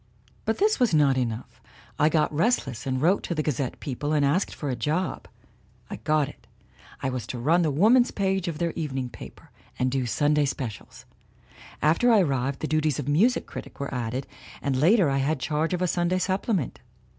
"But this was not enough. I got restless and I wrote to the Gazette people and asked for a job. I got it I was to run the woman's page of their evening paper, and do Sunday specials. After I arrived the duties of music critic were added, and later I had charge of a Sunday supplement.